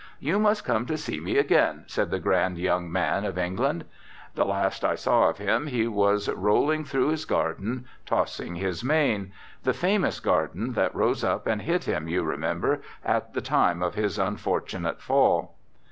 "You must come to see me again," said the grand young man of England. The last I saw of him he was rolling through his garden, tossing his mane; the famous garden that rose up and hit him, you remember, at the time of his unfortunate fall.